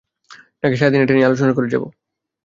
নাকি সারাদিন এটা নিয়ে আলোচনাই করে যাবো?